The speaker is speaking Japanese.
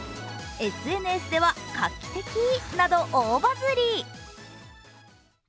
ＳＮＳでは画期的など大バズり。